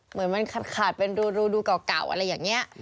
เหมือนมันขาดเป็นรูดูเก่าอะไรอย่างนี้